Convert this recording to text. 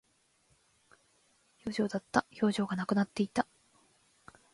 表情だった。表情がなくなっていた。